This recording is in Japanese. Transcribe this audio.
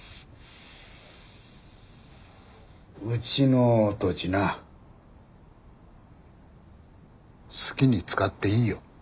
うちの土地な好きに使っていいよ。